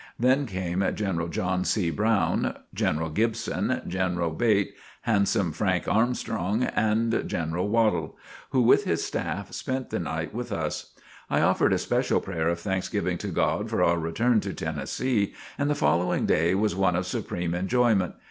Then came General John C. Brown, General Gibson, General Bate, handsome Frank Armstrong, and General Walthall, who with his staff, spent the night with us. I offered a special prayer of Thanksgiving to God for our return to Tennessee, and the following day was one of supreme enjoyment.